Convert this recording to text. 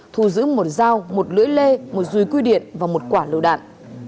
thu giữ một dao một lưỡi lê một dùi quy điện và một quả lưu đạn